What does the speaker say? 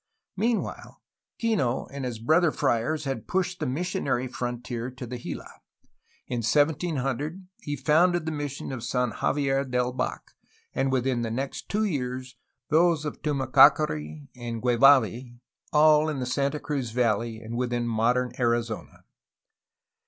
Meanwhile, Kino and his brother friars had pushed the missionary frontier to the Gila. In 1700 he founded the mission of San Javier del Bac, and within the next two years those of Tumacacori and Gue vavi, all in the Santa Cruz valley and within modern Ari PROGRESS OF OVERLAND ADVANCE 191 zona.